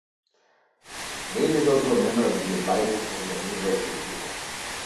Nadin is also a member of the Advisory Committee of University of the People.